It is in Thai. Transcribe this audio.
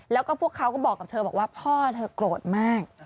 แล้วก็พวกเขาก็บอกกับเธอบอกว่าพ่อเธอโกรธมาก